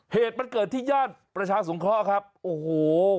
เหตุมันเกิดที่ย่านประชาสงเคราะห์ครับโอ้โห